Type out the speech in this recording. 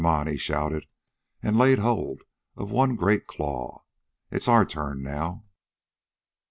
Come on!" he shouted, and laid hold of one great claw. "It's our turn now."